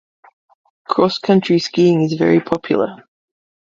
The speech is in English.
Cross-country skiing is very popular.